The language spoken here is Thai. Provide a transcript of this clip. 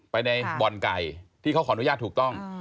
ไปในบ่อนไก่ที่เขาขออนุญาตถูกต้อง